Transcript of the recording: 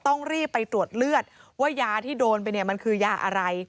ต้องรีบไปตรวจเลือดว่ายาที่โดนไปเนี่ยมันคือยาอะไร